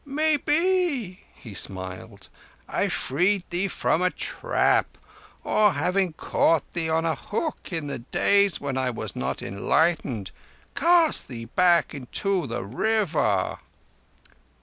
Maybe"—he smiled—"I freed thee from a trap; or, having caught thee on a hook in the days when I was not enlightened, cast thee back into the river."